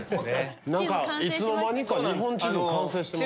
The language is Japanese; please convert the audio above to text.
いつの間にか日本地図完成してます。